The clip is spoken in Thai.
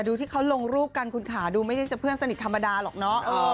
แต่ดูที่เขาลงรูปกันคุณค่ะดูไม่ใช่เพื่อนสนิทธรรมดาหรอกเนอะ